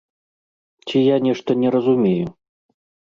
Ці я нешта не разумею?